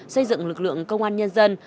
xây dựng lực lượng công an nhân dân